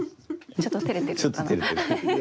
ちょっと照れてるのかな。